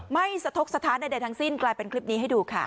ไม่สะทกสถานใดทั้งสิ้นกลายเป็นคลิปนี้ให้ดูค่ะ